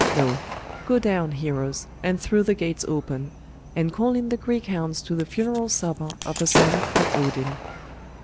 No. Go down, heroes, and throw the gates open; and call in the Greek hounds to the funeral supper of a son of Odin.